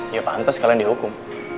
ya pantes kalian dihukum